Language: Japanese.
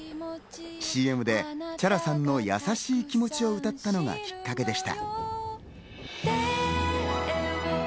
ＣＭでＣｈａｒａさんの『やさしい気持ち』を歌ったのがきっかけでした。